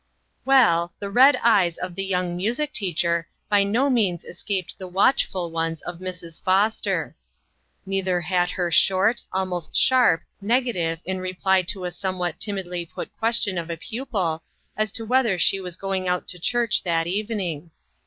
Well, the red eyes of the young music teacher by no means escaped the watchful ones of Mrs. Foster. Neither had her short, almost sharp, negative in reply to a some what timidly put question of a pupil, as to whether she was going out to church that evening.